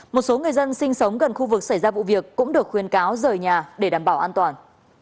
một số người dân sinh sống gần khu vực xảy ra vụ việc cũng được khuyên cáo rời nhà để đảm bảo an toàn